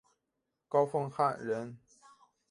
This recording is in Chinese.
高凤翰人。